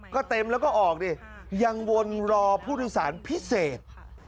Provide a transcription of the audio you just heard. ก็เต็มแล้วก็ออกดิยังวนรอผู้โดยสารพิเศษ